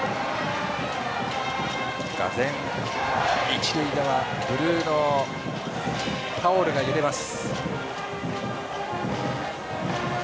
がぜん一塁側はブルーのタオルが揺れます。